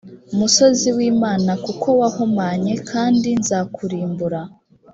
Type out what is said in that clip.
musozi w imana kuko wahumanye kandi nzakurimbura